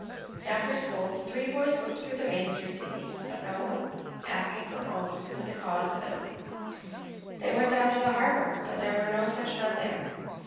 After school the three boys looked through the main streets of Nice, but saw no one asking for alms for the cause of Italy. They went down to the harbor, but there were no such men there.